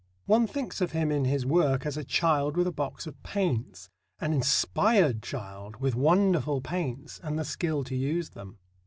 One thinks of him in his work as a child with a box of paints an inspired child with wonderful paints and the skill to use them.